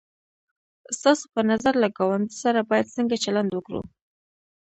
ستاسو په نظر له گاونډي سره باید څنگه چلند وکړو؟